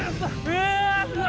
うわ！